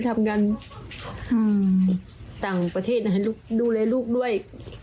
ต่างประเทศนะให้ดูแลลูกด้วย